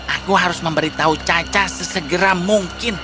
aku harus memberitahu caca sesegera mungkin